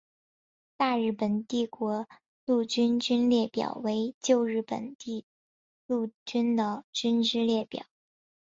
大日本帝国陆军军列表为旧日本陆军的军之列表。